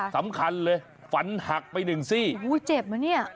สำคัญเลยฝันหักไปหนึ่งซี่